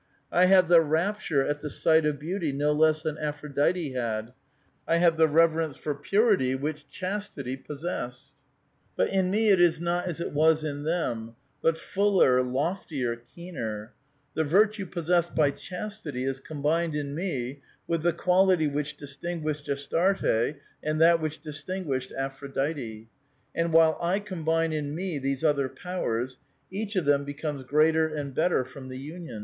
I have the rapture at the sight of beauty no less than Aphrodite had ; I have the reverence for purity which ' Chastity ' possessed. 1 Sodonaichdlnitsa, 876 A VITAL QUESTION. ^^ But ill me it is not as it was in tbetn, but fuller, loftier, keener. The virtue possessed by 'Chastit}'' is combined in me with the quality which distinguished Astarte and that which distinguished Apin*oditc. And while I combine in me these other powers, each of them becomes greater and better from the union.